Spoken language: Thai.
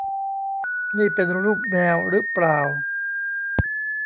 นี่เป็นรูปแมวรึเปล่า